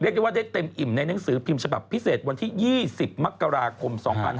ได้ว่าได้เต็มอิ่มในหนังสือพิมพ์ฉบับพิเศษวันที่๒๐มกราคม๒๕๖๒